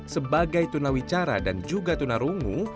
sebagai tunawicara dan juga tunarungu